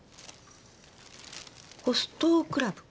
ホストクラブ。